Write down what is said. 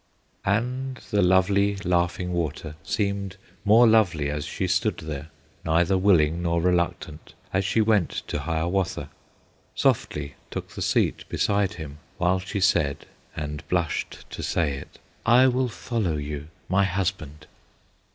And the lovely Laughing Water Seemed more lovely as she stood there, Neither willing nor reluctant, As she went to Hiawatha, Softly took the seat beside him, While she said, and blushed to say it, "I will follow you, my husband!"